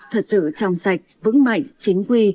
thật sự trong sạch vững mạnh chính quy